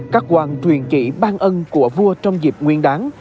các quang truyền chỉ ban ân của vua trong dịp nguyên đán